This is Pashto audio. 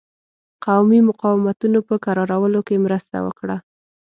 قومي مقاومتونو په کرارولو کې مرسته وکړه.